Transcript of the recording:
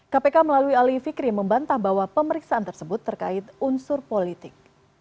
kpk melalui ali fikri membantah bahwa pemeriksaan tersebut terkait unsur politik